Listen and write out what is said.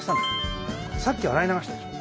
さっき洗い流したでしょ。